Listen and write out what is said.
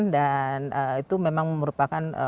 dan itu memang merupakan